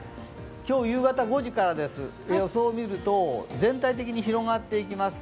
今日夕方５時からです、予想を見ると全体的に広がっていきます。